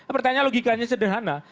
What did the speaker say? pertanyaan logikanya sederhana